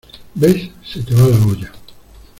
¿ ves? se te va la olla.